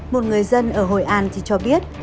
một người dân ở hội an chỉ cho biết